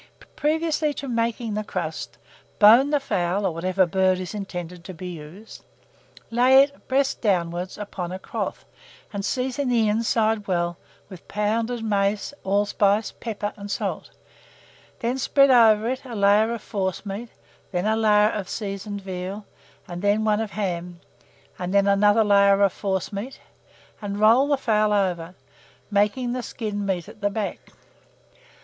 Previously to making the crust, bone the fowl, or whatever bird is intended to be used, lay it, breast downwards, upon a cloth, and season the inside well with pounded mace, allspice, pepper, and salt; then spread over it a layer of forcemeat, then a layer of seasoned veal, and then one of ham, and then another layer of forcemeat, and roll the fowl over, making the skin meet at the back.